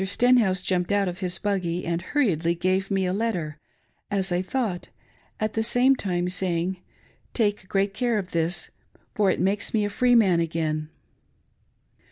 Stenhouse jumped out of his buggy and hurriedly gave me a letter, as I thought, — at the same time saying, " Take great care of this for it makes me a free man again."